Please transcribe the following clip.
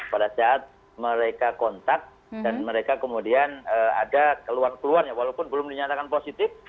pada saat mereka kontak dan mereka kemudian ada keluhan keluhan ya walaupun belum dinyatakan positif